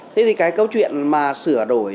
thế thì cái câu chuyện mà sửa đổi